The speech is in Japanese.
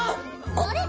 あれ？